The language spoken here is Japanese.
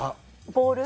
ボール？